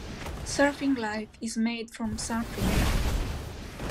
"Surfing Life" is made from surfing.